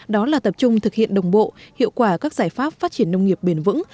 đó là tập trung thực hiện đồng bộ hiệu quả các giải pháp phát triển nông nghiệp bền vững